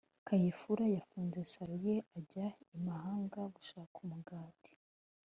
kayihura yafunze salo ye ajya i mahanga gushaka umugati